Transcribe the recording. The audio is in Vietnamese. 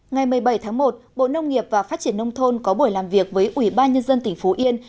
ngày một mươi bảy tháng một bộ nông nghiệp và phát triển nông thôn có buổi làm việc với ủy ban nhân dân tỉnh phú yên